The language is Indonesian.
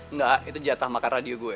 enggak itu jatah makan radio gue